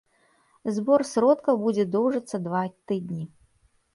Збор сродкаў будзе доўжыцца два тыдні.